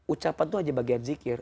ucapan itu hanya bagian zikir